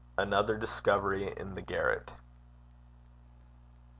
ANOTHER DISCOVERY IN THE GARRET.